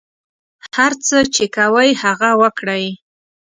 هر څه چې کوئ هغه وکړئ.